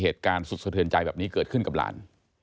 เหตุการณ์สุดสะเทือนใจแบบนี้เกิดขึ้นกับหลาน